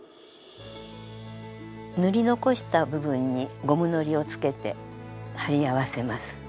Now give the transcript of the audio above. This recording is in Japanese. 塗り残した部分にゴムのりをつけて貼り合わせます。